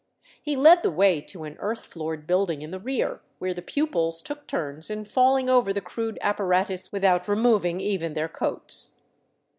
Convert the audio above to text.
He led the way to an earth floored building in the rear, where the pupils took turns in falling over the crude apparatus without removing even their coats.